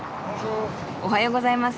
おはようございます。